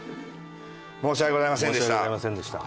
申し訳ございませんでした。